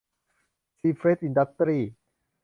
ซีเฟรชอินดัสตรี